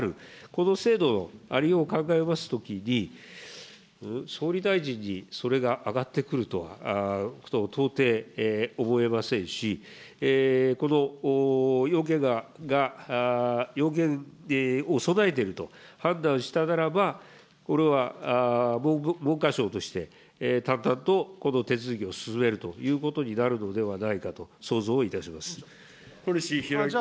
この制度のありようを考えますときに、総理大臣にそれが上がってくるとは到底思えませんし、この要件が、要件を備えていると判断したならば、これは文科省として、淡々とこの手続きを進めるということになるのではないかと、想像小西洋之君。